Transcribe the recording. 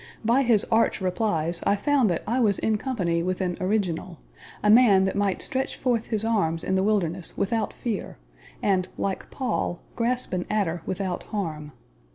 By his arch replies I found that I was in company with an original a man that might stretch forth his arms in the wilderness without fear, and like Paul, grasp an adder without harm.